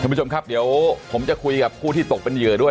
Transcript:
ผู้ชมครับเดี๋ยวผมจะคุยกับผู้ที่ตกเป็นเหยื่อด้วย